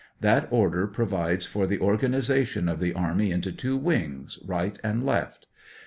That order provides for the organization of the army into two wings, right and left.